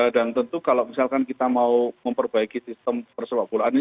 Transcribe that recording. dan tentu kalau misalkan kita mau memperbaiki sistem persepak bolaannya